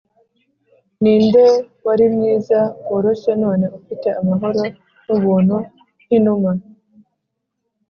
ninde wari mwiza, woroshye none ufite amahoro nubuntu nkinuma.